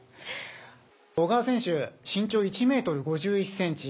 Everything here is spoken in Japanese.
小川選手、身長１ｍ５１ｃｍ。